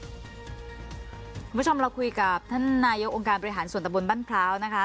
คุณผู้ชมเราคุยกับท่านนายกองค์การบริหารส่วนตะบนบ้านพร้าวนะคะ